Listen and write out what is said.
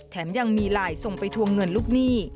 ยังมีไลน์ส่งไปทวงเงินลูกหนี้